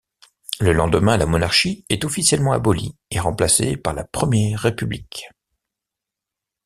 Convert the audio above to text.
Le lendemain, la monarchie est officiellement abolie et remplacée par la Première République.